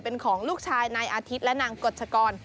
เป็นของลูกชายนายอาทิตย์และนางกฎชกร